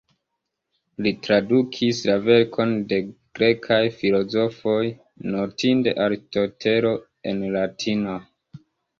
Li tradukis la verkon de grekaj filozofoj, notinde Aristotelo, en latina.